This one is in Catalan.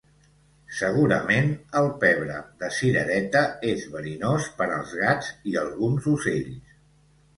Segurament, el pebre de cirereta és verinós per als gats i alguns ocells.